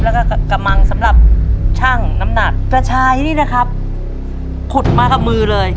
แล้วก็กระมังสำหรับช่างน้ำหนักกระชายนี่นะครับผุดมากับมือเลย